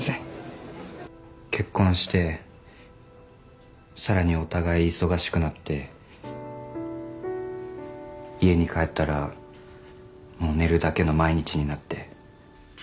結婚してさらにお互い忙しくなって家に帰ったらもう寝るだけの毎日になって。